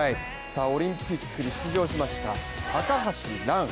オリンピックに出場しました、高橋藍。